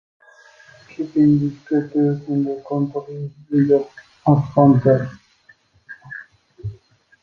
Keeping these creatures under control is the job of "hunters".